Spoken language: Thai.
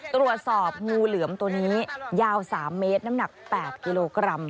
ตรวจสอบงูเหลือมตัวนี้ยาว๓เมตรน้ำหนัก๘กิโลกรัม